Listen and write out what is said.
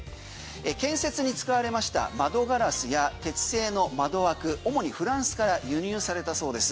建設に使われました窓ガラスや鉄製の窓枠主にフランスから輸入されたそうです。